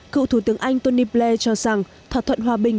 cựu thủ tướng anh tony blair cho rằng thỏa thuận hòa bình